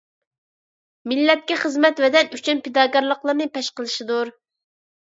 مىللەتكە خىزمەت، ۋەتەن ئۈچۈن پىداكارلىقلىرىنى پەش قىلىشىدۇ.